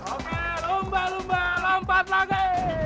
oke lumba lumba lompat lagi